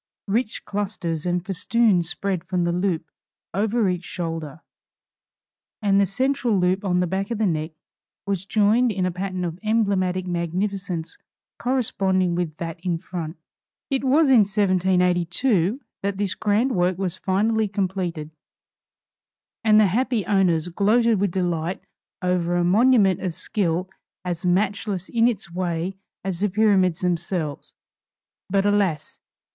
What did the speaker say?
Rich clusters and festoons spread from the loop over each shoulder, and the central loop on the back of the neck was joined in a pattern of emblematic magnificence corresponding with that in front. It was in 1782 that this grand work was finally completed, and the happy owners gloated with delight over a monument of skill as matchless in its way as the Pyramids themselves. But, alas!